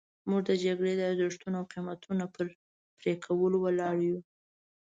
موږ د جګړې د ارزښتونو او قیمتونو پر پرې کولو ولاړ یو.